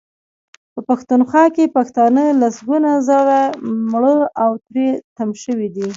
په پښتونخوا کې پښتانه لسګونه زره مړه او تري تم شوي دي.